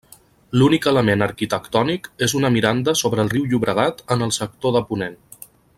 L'únic element arquitectònic és una miranda sobre el riu Llobregat en el sector de ponent.